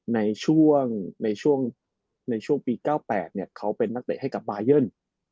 ในช่วงปี๙๘เขาเป็นนักเดะให้กับบายอน